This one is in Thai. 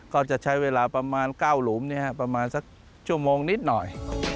ก็จะใช้เวลาประมาณ๙หลุมประมาณสักชั่วโมงนิดหน่อย